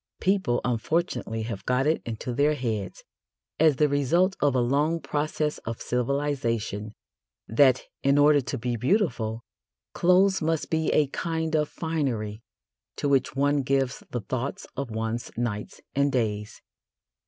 People unfortunately have got it into their heads, as the result of a long process of civilisation, that, in order to be beautiful, clothes must be a kind of finery to which one gives the thoughts of one's nights and days.